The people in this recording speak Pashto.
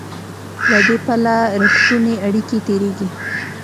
له دې پله رښتونې اړیکې تېرېږي.